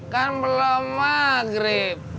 kan belum maghrib